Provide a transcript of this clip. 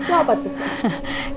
itu apa tuh